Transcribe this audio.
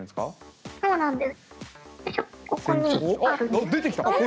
あっ出てきた。